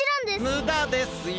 むだですよ。